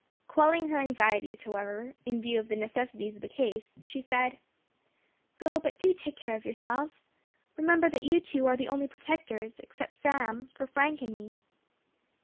Quelling her anxieties, however, in view of the necessities of the case, she said: "Go, but do take care of yourselves. Remember that you two are the only protectors, except Sam, for Frank and me."